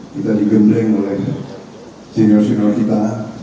kita digendeng oleh senior senior kita